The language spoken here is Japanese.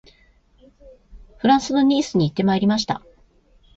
フランスのニースに行ってまいりました